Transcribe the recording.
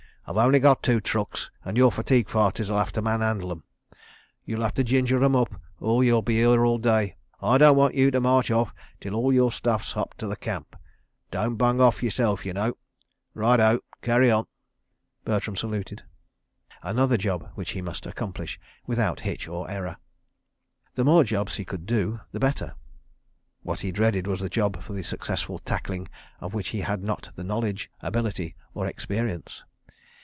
I've only got two trucks and your fatigue parties'll have to man handle 'em. You'll have to ginger 'em up or you'll be here all day. I don't want you to march off till all your stuff's up to the camp. ... Don't bung off yourself, y'know. ... Right O. Carry on. ..." Bertram saluted. Another job which he must accomplish without hitch or error. The more jobs he could do, the better. What he dreaded was the job for the successful tackling of which he had not the knowledge, ability or experience.